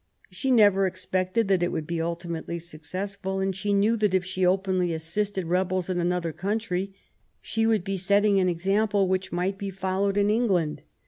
She never expected that it would be ultimately successful ; and she knew that, if she openly assisted rebels in another country, she would be setting an example which might be followed in England.